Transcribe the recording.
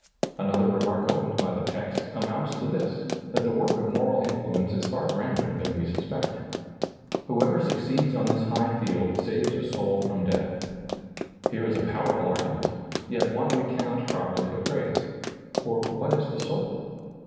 Another remark opened by the text amounts to this, that the work of moral influence is far grander than we suspect Whoever succeeds on this high field saves a soul from death. Here is a powerful argument, yet one we cannot properly appraise. For what is the soul